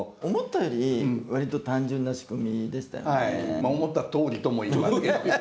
まあ思ったとおりとも言いますけども。